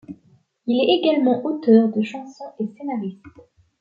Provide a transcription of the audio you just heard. Il est également auteur de chansons et scénariste.